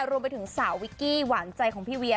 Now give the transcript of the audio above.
รวมไปถึงสาววิกกี้หวานใจของพี่เวีย